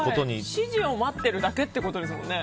指示を待ってるだけってことですもんね。